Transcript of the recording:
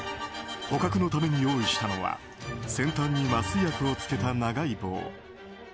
捕獲のために用意したのは先端に麻酔薬を付けた長い棒。